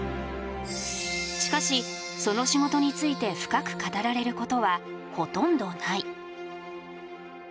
しかしその仕事について深く語られることはほとんどない。